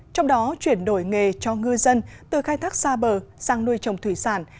trong đó chuyển đổi nghề cho ngư dân từ khai thác xa bờ sang nuôi trồng thủy sản